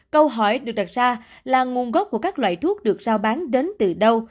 câu hỏi được đặt ra là nguồn gốc của các loại thuốc được giao bán đến từ đâu